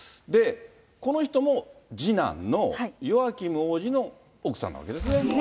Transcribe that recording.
この人も、次男のヨアキム王子の奥さんなわけですね。